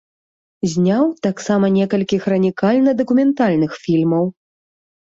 Зняў таксама некалькі хранікальна-дакументальных фільмаў.